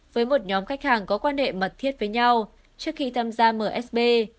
với một nhóm khách hàng có quan hệ mật thiết với nhau trước khi tham gia msb